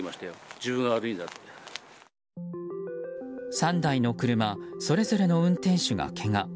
３台の車それぞれの運転手がけが。